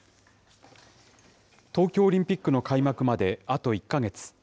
東京オリンピックの開幕まで、あと１か月。